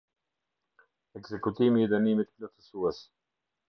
Ekzekutimi i dënimit plotësues.